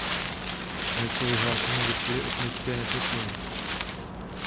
Hned po vyhlášení začaly etnické nepokoje.